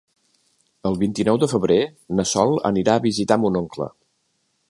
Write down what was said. El vint-i-nou de febrer na Sol anirà a visitar mon oncle.